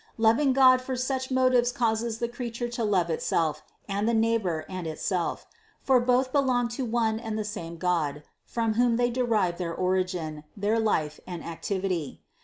Loving God for such motives causes the creature to love itself and the neighbor and itself ; for both belong to one and the same God, from whom they derive their origin, their life and activity.